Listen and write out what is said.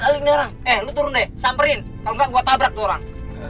kalau nggak gue tabrak tuh orang